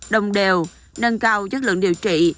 đồng đều nâng cao chất lượng điều trị